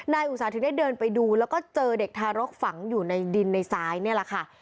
อุตสาหถึงได้เดินไปดูแล้วก็เจอเด็กทารกฝังอยู่ในดินในซ้ายนี่แหละค่ะ